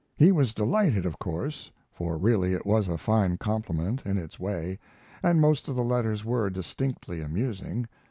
He was delighted, of course; for really it was a fine compliment, in its way, and most of the letters were distinctly amusing.